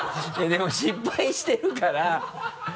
でも失敗してるから